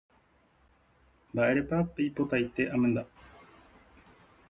Mba'éretepa peipotaite amenda